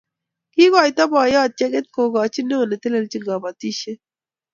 Kiikoito boiyot chekit kokoch neo ne telelchini kabatisiet